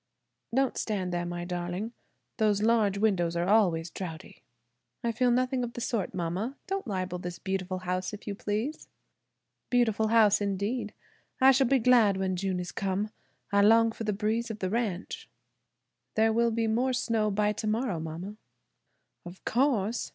"Don't stand there, my darling, those large windows are always draughty." "I feel nothing of the sort, mama; don't libel this beautiful house, if you please." "Beautiful house indeed; I shall be glad when June is come. I long for the breeze of the ranch." "There will be more snow by tomorrow, mama." "Of course!